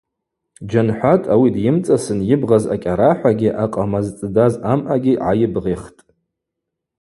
Джьанхӏватӏ ауи дйымцӏасын йыбгъаз акӏьарахӏвагьи акъама зцӏдаз амъагьи гӏайыбгъихтӏ.